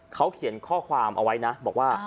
เขาเขียนข้อความเอาไว้นะบอกว่า